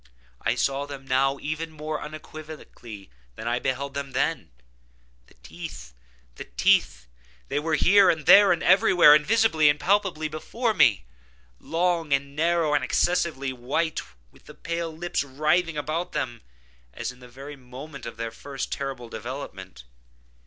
I saw them now even more unequivocally than I beheld them then. The teeth!—the teeth!—they were here, and there, and everywhere, and visibly and palpably before me; long, narrow, and excessively white, with the pale lips writhing about them, as in the very moment of their first terrible development.